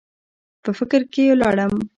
پۀ فکر کښې لاړم ـ